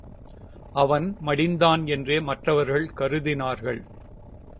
அவன் மடிந்தான் என்றே மற்றவர்கள் கருதினார்கள்.